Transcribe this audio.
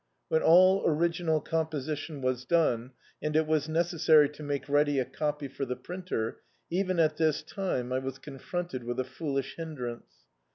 When all original c(Knpositi<m was done, and it was necessary to make ready a copy for the printer, even at this time I was confrcHitcd with a foolish hin drance.